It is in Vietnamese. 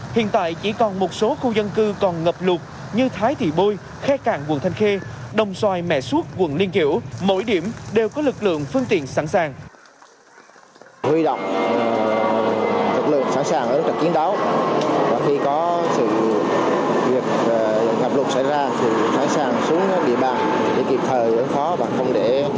hiện tại chỉ còn một số khu dân cư còn ngập lụt như thái thị bôi khe cạn quận thanh khê đồng xoài mẹ suốt quận liên kiểu mỗi điểm đều có lực lượng phương tiện sẵn sàng